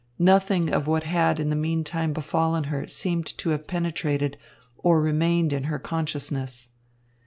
Nothing of what had in the meantime befallen her seemed to have penetrated, or remained in, her consciousness.